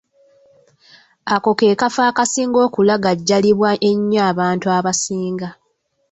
Ako ke kafo akasinga okulagajjalibwa ennyo abantu abasinga.